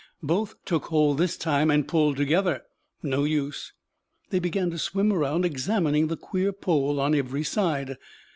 Both took hold this time and pulled together. No use! They began to swim round, examining the queer pole on every side.